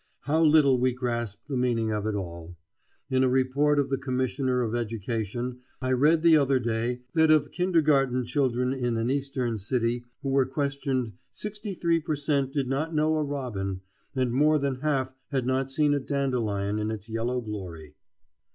How little we grasp the meaning of it all. In a report of the Commissioner of Education I read the other day that of kindergarten children in an Eastern city who were questioned 63 per cent did not know a robin, and more than half had not seen a dandelion in its yellow glory.